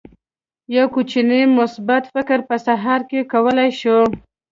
یو کوچنی مثبت فکر په سهار کې کولی شي.